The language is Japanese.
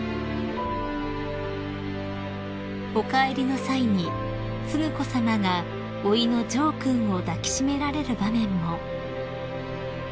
［お帰りの際に承子さまがおいの穣君を抱き締められる場面も］